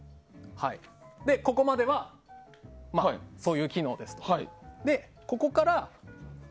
ここまでは、そういう機能ですと。